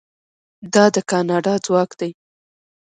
دا د کاناډا ځواک دی.